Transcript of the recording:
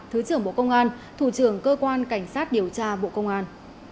thứ trưởng bộ công an thủ trưởng cơ quan cảnh sát điều tra bộ công an